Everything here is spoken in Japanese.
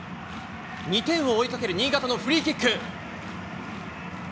２点を追いかける新潟のフリーキック。